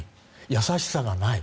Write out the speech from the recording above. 優しさがない。